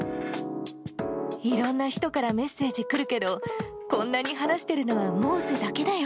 いろんな人からメッセージ来るけど、こんなに話しているのはモーセだけだよ。